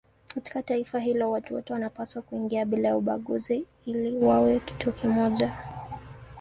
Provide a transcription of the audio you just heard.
Katika taifa hilo watu wote wanapaswa kuingia bila ya ubaguzi ili wawe kitu kimoja.